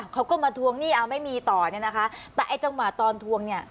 เขาก็มาทวงหนี้เอาไม่มีต่อเนี่ยนะคะแต่ไอ้จังหวะตอนทวงเนี่ย